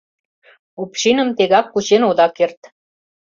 — Общиным тегак кучен ода керт.